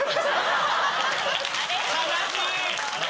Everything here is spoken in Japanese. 悲しい！